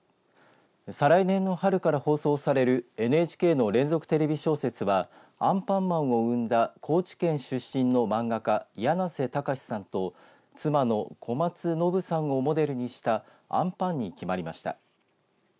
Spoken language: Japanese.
再来年の春から放送されるＮＨＫの連続テレビ小説はアンパンマンを生んだ高知県出身の漫画家やなせたかしさんと妻の小松暢さんをモデルにしたあんぱんに決まりました。